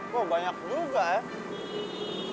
wah banyak juga ya